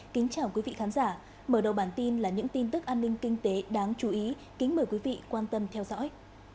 kính chào quý vị khán giả mở đầu bản tin là những tin tức an ninh kinh tế đáng chú ý kính mời quý vị quan tâm theo dõi